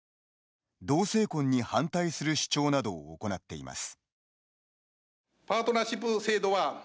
同性婚に反対する主張などを行っています。